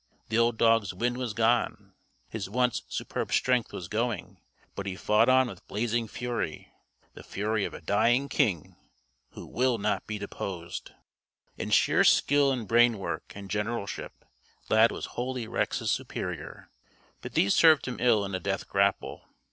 The old dog's wind was gone; his once superb strength was going, but he fought on with blazing fury the fury of a dying king who will not be deposed. In sheer skill and brain work and generalship, Lad was wholly Rex's superior, but these served him ill in a death grapple.